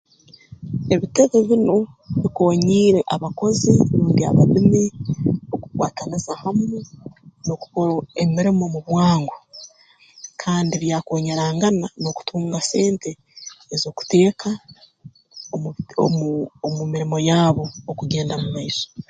Ebitebe binu bikoonyiire abakozi rundi abalimi okukwataniza hamu n'okukora emirimo mu bwangu kandi byakoonyerangana n'okutunga sente ez'okuteeka omu omu omu mirimo yaabo okugenda mu maiso